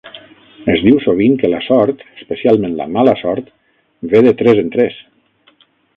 Es diu sovint que la sort, especialment la mala sort, "ve de tres en tres".